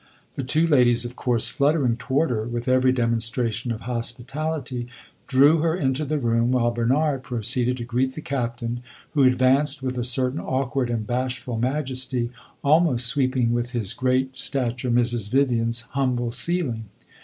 The two ladies, of course, fluttering toward her with every demonstration of hospitality, drew her into the room, while Bernard proceeded to greet the Captain, who advanced with a certain awkward and bashful majesty, almost sweeping with his great stature Mrs. Vivian's humble ceiling.